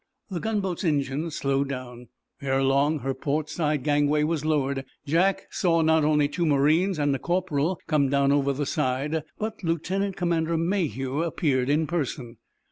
The gunboat's engines slowed down. Ere long her port side gangway was lowered. Jack saw not only two marines and a corporal come down over the side, but Lieutenant Commander Mayhew appeared in person.